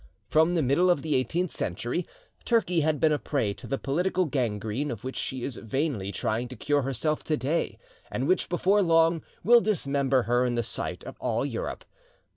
From the middle of the eighteenth century Turkey had been a prey to the political gangrene of which she is vainly trying to cure herself to day, and which, before long, will dismember her in the sight of all Europe.